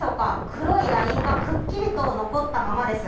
黒いラインがくっきりと残ったままです。